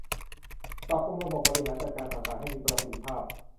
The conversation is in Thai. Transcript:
ปรับปรุงระบบบริหารจัดการต่างต่างให้มีประสิทธิภาพ